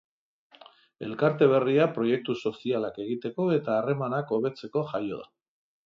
Elkarte berria proiektu sozialak egiteko eta harremanak hobetzeko jaio da.